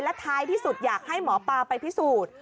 ท้ายที่สุดอยากให้หมอปลาไปพิสูจน์